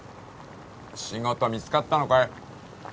仕事見つかったのかい？